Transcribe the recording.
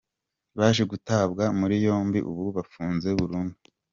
baje gutabwa muri yombi ubu bafunze burundu.